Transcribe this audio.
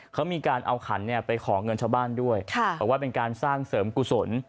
เขามีการเอาขันไปขอเงินชาวบ้านด้วยบอกว่าเป็นการสร้างเสริมกุศล